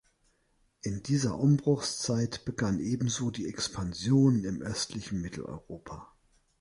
In dieser Umbruchzeit begann ebenso die Expansion im östlichen Mitteleuropa.